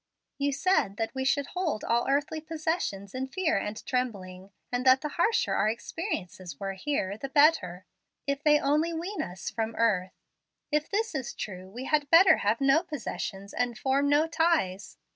You said that we should hold all earthly possessions in fear and trembling, and that the harsher our experiences were, here, the better, if they only wean us from earth. If this is true, we had better have no possessions and form no ties.